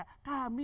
kami senang sekali